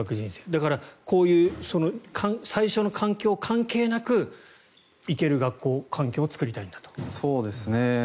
だからこういう最初の環境関係なく行ける学校、環境を作りたいんだと。